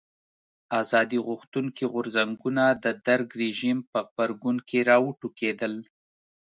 ازادي غوښتونکي غورځنګونه د درګ رژیم په غبرګون کې راوټوکېدل.